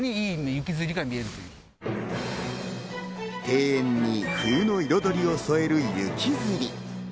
庭園に冬の彩りを添える雪吊り。